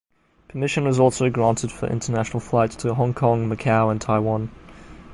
Permission was also granted for international flights to Hong Kong, Macau and Taiwan.